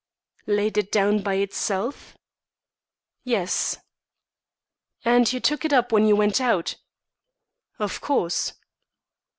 "Laid it down by itself?" "Yes." "And took it up when you went out?" "Of course."